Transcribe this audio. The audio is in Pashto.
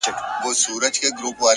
هوډ د ستړیا تر شا هم ولاړ وي,